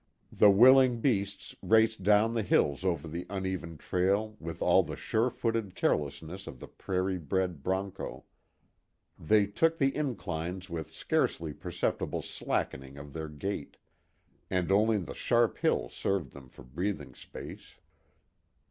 The willing beasts raced down the hills over the uneven trail with all the sure footed carelessness of the prairie bred broncho. They took the inclines with scarcely perceptible slackening of their gait. And only the sharp hills served them for breathing space.